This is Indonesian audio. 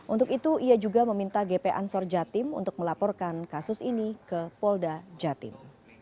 untuk itu ia juga meminta gp ansor jatim untuk melaporkan kasus ini ke polda jatim